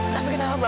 tapi kenapa bapak